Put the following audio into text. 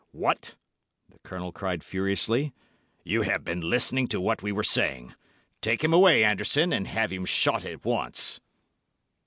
"What!" the Colonel cried furiously. "You have been listening to what we were saying. Take him away, Anderson, and have him shot at once."